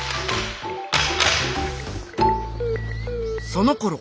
そのころ